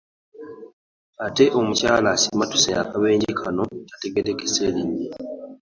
Ate mukyala asimattuse akabenje kano tategeerekese linnya.